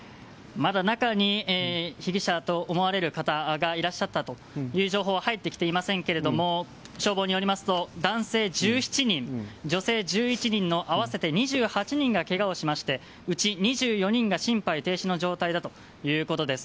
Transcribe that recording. まだ中に被疑者と思われる方がいらっしゃったという情報は入ってきていませんけれども消防によりますと男性１７人、女性１１人の合わせて２８人がけがをしましてうち２４人が心肺停止の状態だということです。